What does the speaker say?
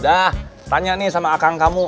dah tanya nih sama akang kamu